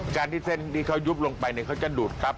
การที่เส้นที่เขายุบลงไปเขาจะดูดครับ